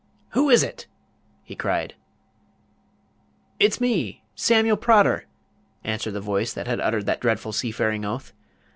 "Who is it?" he cried. "It's me, Samuel Prodder!" answered the voice that had uttered that dreadful seafaring oath.